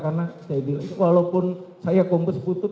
karena saya bilang walaupun saya kompos putut